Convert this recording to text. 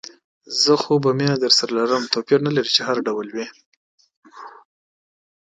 خو زه به مینه درسره لرم، توپیر نه لري هغه هر ډول وي.